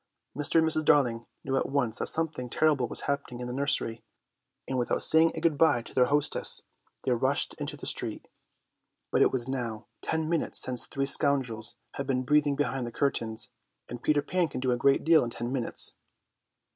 Mr. and Mrs. Darling knew at once that something terrible was happening in their nursery, and without a good bye to their hostess they rushed into the street. But it was now ten minutes since three scoundrels had been breathing behind the curtains, and Peter Pan can do a great deal in ten minutes.